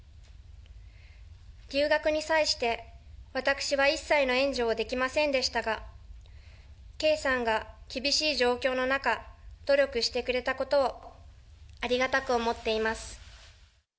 留学に際して、私は一切の援助をできませんでしたが、圭さんが厳しい状況の中、努力してくれたことをありがたく思っています。